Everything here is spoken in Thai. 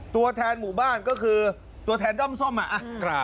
ตัวแทนหมู่บ้านก็คือตัวแทนด้อมส้มอ่ะ